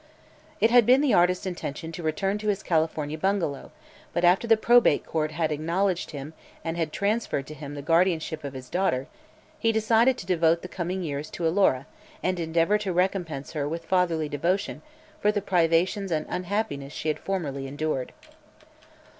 It had been the artist's intention to return to his California bungalow, but after the probate court had acknowledged him and transferred to him the guardianship of his daughter, he decided to devote the coming years to Alora and endeavor to recompense her with fatherly devotion for the privations and unhappiness she had formerly endured.